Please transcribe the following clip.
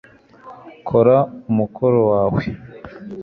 kora umukoro wawe